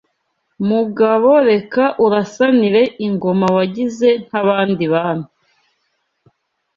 Mugabo reka urasanire ingoma wagize nk’abandi Bami